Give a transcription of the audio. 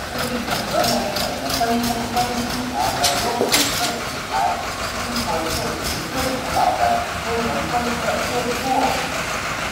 位于河南省的登封观星台和周公测景台是中国现存最古老的天文观测建筑。